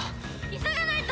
急がないと！